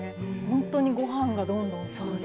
ほんとにご飯がどんどん進みそうな。